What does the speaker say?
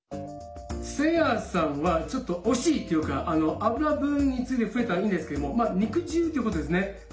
せいやさんはちょっと惜しいというか油分について触れたのはいいんですけども肉汁っていうことですね。